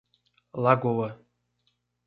Lagoa